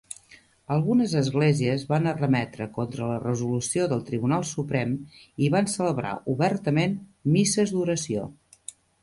Algunes esglésies van arremetre contra la resolució del Tribunal Suprem i van celebrar obertament misses d'oració.